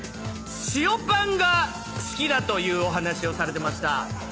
塩パンが好きだというお話をされてました。